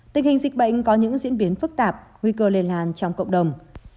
tình hình dịch bệnh có những diễn biến phức tạp nguy cơ lây lan trong cộng đồng